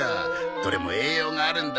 どれも栄養があるんだ。